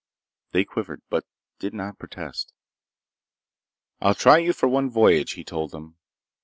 They quivered, but did not protest. "I'll try you for one voyage," he told them.